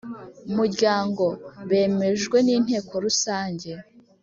muryango bemejwe n inteko rusange